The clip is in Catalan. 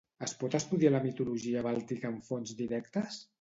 Es pot estudiar la mitologia bàltica amb fonts directes?